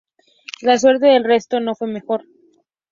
La suerte del resto no fue mejor.